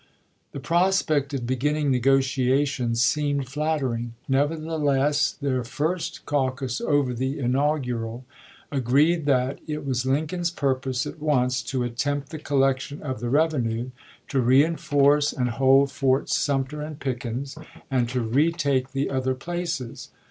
The prospect of beginning negotiations seemed flattering ; nevertheless, their first caucus over the inaugural agreed that " it was Lincoln's purpose at once to attempt the collection of the revenue, to reenforce and hold Forts Sumter and Pickens, and to retake the other places."